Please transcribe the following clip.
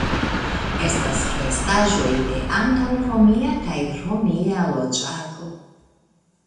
Estas restaĵoj de antaŭromia kaj romia loĝado.